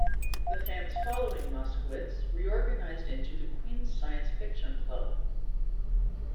The fans following Moskowitz reorganized into the Queens Science Fiction Club.